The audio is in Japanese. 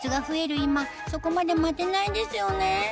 今そこまで待てないですよね